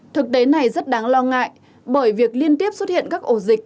thực tế này rất đáng lo ngại bởi việc liên tiếp xuất hiện các ổ dịch